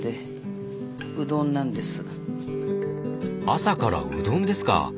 朝からうどんですか。